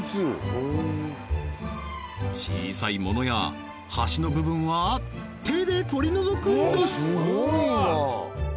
小さいものや端の部分は手で取り除くんです